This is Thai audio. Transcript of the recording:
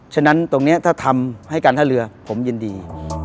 ฉะนั้นตรงนี้ถ้าทำให้การท่าเรือผมยินดี